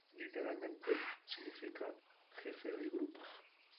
Literalmente significa Jefe de Grupo.